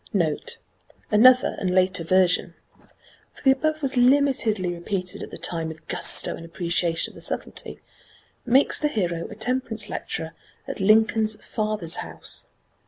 '" (NOTE. Another and later version for the above was limitedly repeated at the time with gusto and appreciation of the sublety makes the hero a temperance lecturer at Lincoln's father's house.